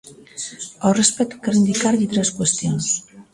Ao respecto quero indicarlle tres cuestións.